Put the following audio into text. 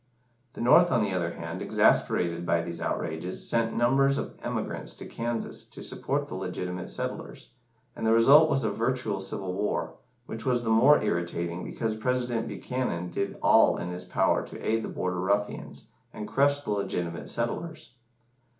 The North, on the other hand, exasperated by these outrages, sent numbers of emigrants to Kansas to support the legitimate settlers, and the result was a virtual civil war, which was the more irritating because President Buchanan did all in his power to aid the Border ruffians, and crush the legitimate settlers.